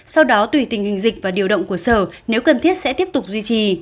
sau đó tùy tình hình dịch và điều động của sở nếu cần thiết sẽ tiếp tục duy trì